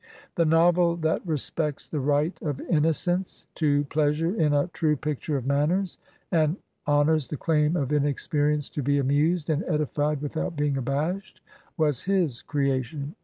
The novel that respects the right of innocence to pleasure in a true picture of manners, and honors the claim of inexperience to be amused and edified without being abashed, was his creation.